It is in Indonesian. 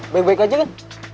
baik baik aja kan